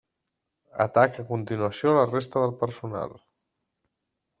Ataca a continuació la resta del personal.